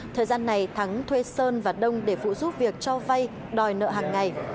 thời gian này thắng thuê sơn và đông để phụ giúp việc cho vay đòi nợ hàng ngày